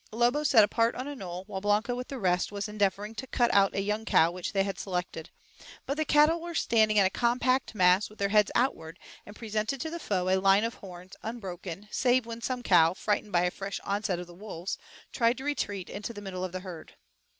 Lobo sat apart on a knoll, while Blanca with the rest was endeavoring to 'cut out' a young cow, which they had selected; but the cattle were standing in a compact mass with their heads outward, and presented to the foe a line of horns, unbroken save when some cow, frightened by a fresh onset of the wolves, tried to retreat into the middle of the herd.